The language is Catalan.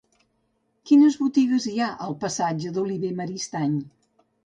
Quines botigues hi ha al passatge d'Olivé i Maristany?